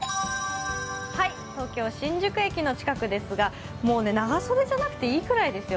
東京・新宿駅の近くですが、もう、長袖じゃなくていいくらいですよ。